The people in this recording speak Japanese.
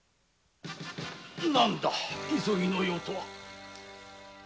何だ急ぎの用とは？